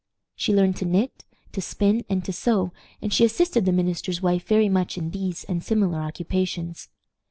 She learned to knit, to spin, and to sew, and she assisted the minister's wife very much in these and similar occupations.